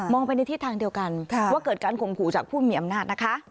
มองไปในที่ทางเดียวกันว่าเกิดการคงผู้จากผู้มีอำนาจ